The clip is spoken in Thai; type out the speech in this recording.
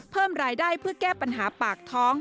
เพิ่มรายได้เพื่อแก้ปัญหาปากท้อง